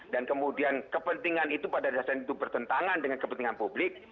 kemudian kepentingan itu pada dasarnya itu bertentangan dengan kepentingan publik